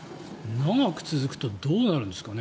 長く続くとどうなるんですかね。